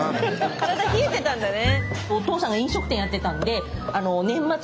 体冷えてたんだね。